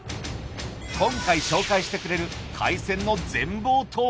今回紹介してくれる海鮮の全貌とは？